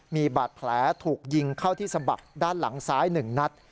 มีบาดแผลถูกยิงเข้าที่สะบักด้านหลังซ้าย๑นัด